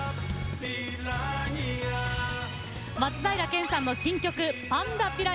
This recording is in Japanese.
松平健さんの新曲「パンダピラニア」。